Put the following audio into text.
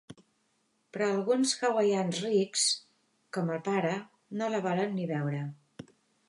Però alguns hawaians rics, com el pare, no la volen ni veure.